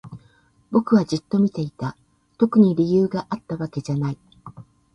僕はじっと見ていた。特に理由があったわけじゃない。